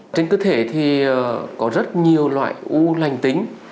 trên cơ thể thì có rất nhiều loại u lành tính